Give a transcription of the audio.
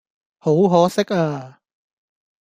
好可惜呀